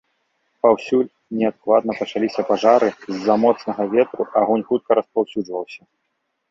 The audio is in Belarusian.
Паўсюль неадкладна пачаліся пажары, з-за моцнага ветру агонь хутка распаўсюджваўся.